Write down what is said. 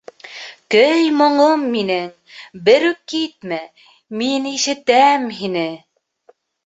— Көй-моңом минең, берүк китмә, мин ишетәм һине!